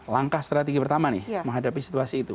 langkah strategi pertama nih menghadapi situasi itu